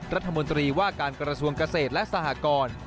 รัฐมนตรีว่าการกระทรวงเกษตรและสหกร